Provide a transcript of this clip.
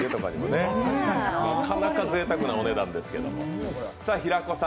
なかなかぜいたくなお値段ですけれども。